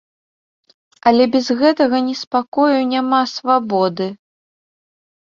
Але без гэтага неспакою няма свабоды.